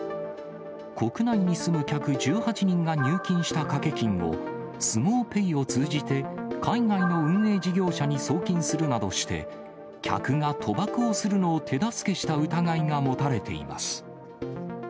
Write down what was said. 国内に住む客１８人が入金した賭け金を、スモウペイを通じて海外の運営事業者に送金するなどして、客が賭博をするのを手助けした疑いが持たれています。